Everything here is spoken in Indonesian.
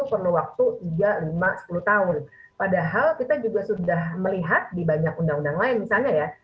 perlu waktu tiga lima sepuluh tahun padahal kita juga sudah melihat di banyak undang undang lain misalnya ya